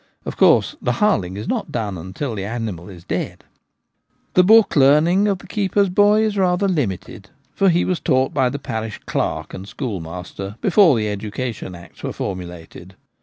Of course the ' harling ' is not done till the animal is dead. D 2 36 The Gamekeeper at Home. The book learning of the keeper's boy is rather limited, for he was taught by the parish clerk and schoolmaster before the Education Acts were formulated.